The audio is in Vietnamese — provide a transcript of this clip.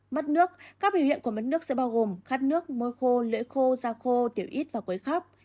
mất nước các biểu hiện của mất nước sẽ bao gồm khát nước môi khô lưỡi khô da khô tiểu ít và quấy khóc